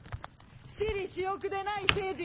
私利私欲でない政治。